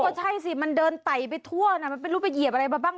ก็ใช่สิมันเดินไต่ไปทั่วนะมันไม่รู้ไปเหยียบอะไรมาบ้าง